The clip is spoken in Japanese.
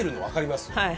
はい。